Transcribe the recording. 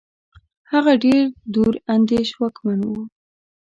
هغه ډېر دور اندېش واکمن وو.